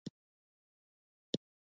ایا سټي سکن مو کړی دی؟